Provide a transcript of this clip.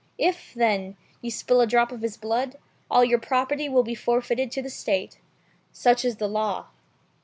If, then, you spill a drop of his blood, all your property will be forfeited to the State. Such is the Law."